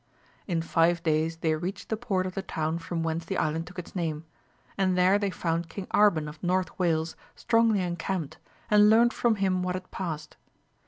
In five days they reached the port of the town from whence the island took its name, and there they found King Arban of North Wales strongly encamped, and learnt from him what had passed.